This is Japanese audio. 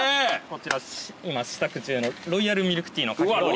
こちら今試作中のロイヤルミルクティーのかき氷になります。